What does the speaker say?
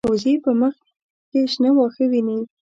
وزې په مخ کې شنه واښه ویني